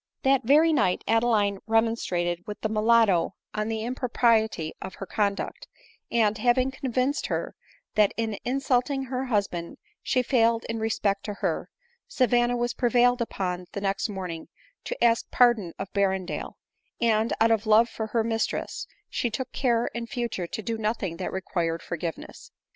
That very night Adeline remonstrated with the mulatto on the impropriety of her conduct, and, having convinced her that in insulting her husband she failed in respect to her, Savanna was prevailed upon the next morning to ask pardon of Berrendale ; and, out of love for her mis tress, she took care in future to do nothing that required forgiveness.